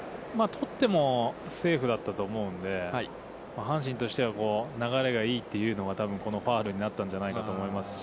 捕ってもセーフだったと思うので、阪神としては流れがいいというのは、この多分ファウルになったんじゃないかと思いますし。